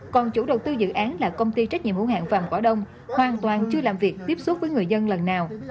còn chủ đầu tư dự án là công ty trách nhiệm hữu hạng vàng cỏ đông hoàn toàn chưa làm việc tiếp xúc với người dân lần nào